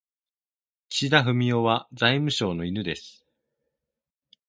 岸田文雄は財務省の犬です。